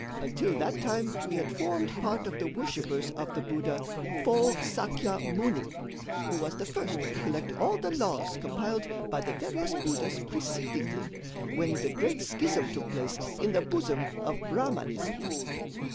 Until that time we had formed part of the worshippers of the Buddha, Fô Sakya Muni, who was the first to collect all the laws compiled by the various buddhas preceding him, when the great schism took place in the bosom of Brahmanism.